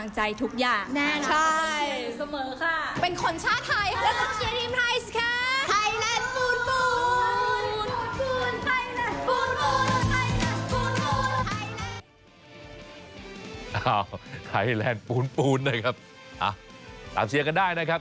อ้าาาตามเชียร์กันได้นะครับ